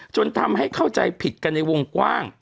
จนทำให้เข้าใจผิดกันในวงกว้าง